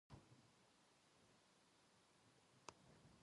厚着をする